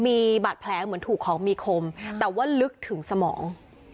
มีบาดแผลเหมือนถูกของมีคมแต่ว่าลึกถึงสมอง